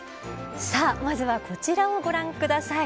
さあまずはこちらをご覧ください。